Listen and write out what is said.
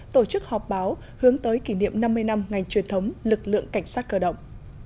tổ chức họp báo hướng tới kỷ niệm năm mươi năm ngành truyền thống lực lượng cảnh sát cơ động